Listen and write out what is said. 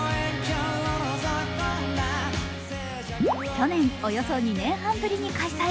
去年、およそ２年半ぶりに開催。